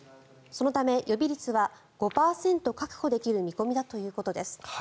そのため予備率は５％確保できる見込みだということです。